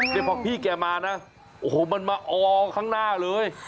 นี่พอพี่แกมานะโอ้โหมันมาออข้างหน้าเลย